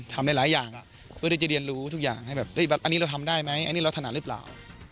ทำได้หลายอย่างเพื่อที่จะเรียนรู้ทุกอย่างให้แบบอันนี้เราทำได้ไหมอันนี้เราถนัดหรือเปล่า